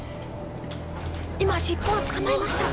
今尻尾を捕まえました。